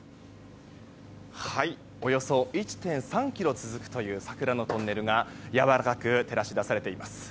およそ１．３ｋｍ続くという桜のトンネルがやわらかく照らし出されています。